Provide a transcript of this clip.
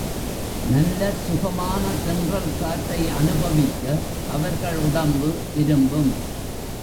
நல்ல சுகமான தென்றல் காற்றை அநுபவிக்க அவர்கள் உடம்பு விரும்பும்.